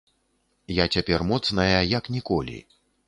Я цяпер моцная як ніколі.